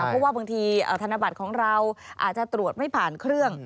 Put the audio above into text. เพราะว่าบางทีธนบัตรของเราอาจจะตรวจไม่ผ่านเครื่อง